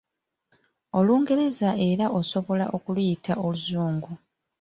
Olungereza era osobola okuluyita Oluzungu.